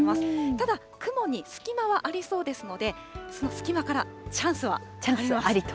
ただ、雲に隙間はありそうですので、その隙間からチャンスはあります。